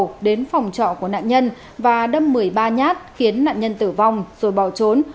ngô văn tiếp đã đến phòng trọ của nạn nhân và đâm một mươi ba nhát khiến nạn nhân tử vong rồi bỏ trốn